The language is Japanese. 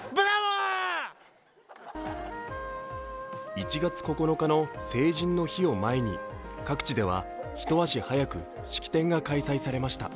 １月９日の成人の日を前に各地では、一足早く式典が開催されました。